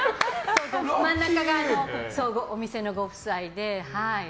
真ん中がお店のご夫妻で。